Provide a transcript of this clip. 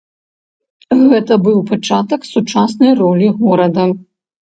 Гэта быў пачатак сучаснай ролі горада.